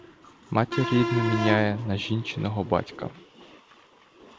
Матір рідну міняє на жінчиного батька.